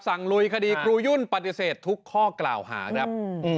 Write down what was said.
ลุยคดีครูยุ่นปฏิเสธทุกข้อกล่าวหาครับ